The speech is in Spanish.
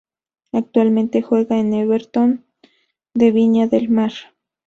Actualmente juega en Everton de Viña del Mar.